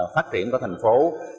phát triển của thành phố